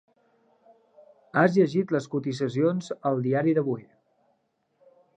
Has llegit les cotitzacions al diari d'avui.